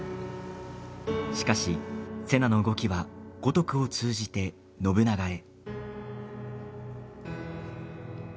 しかし、瀬名の動きは五徳を通じて、信長へ。